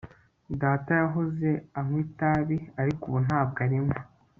Data yahoze anywa itabi ariko ubu ntabwo arinywa